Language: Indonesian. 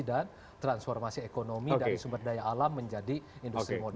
transformasi ekonomi dari sumber daya alam menjadi industri moder